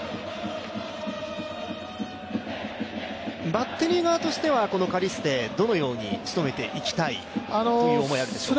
バッテリー側としてはカリステ、どのようにしとめていきたいという思いがありますか？